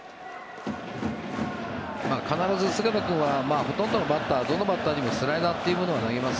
必ず菅野君はほとんどのバッターどのバッターにもスライダーというのを投げます。